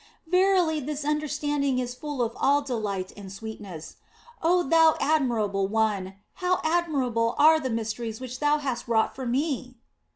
Verily this understanding is full of all delight and sweetness. Oh Thou Admirable One, how admirable are the mysteries which Thou hast wrought for me